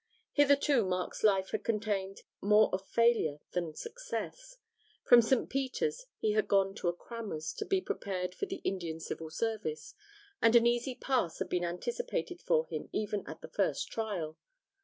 Hitherto Mark's life had contained more of failure than success. From St. Peter's he had gone to a crammer's to be prepared for the Indian Civil Service, and an easy pass had been anticipated for him even at the first trial.